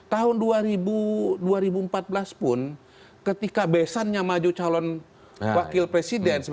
tahun dua ribu empat belas pun ketika besannya maju calon wakil presiden